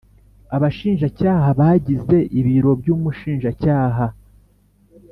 Abashinjacyaha bagize ibiro by Umushinjacyaha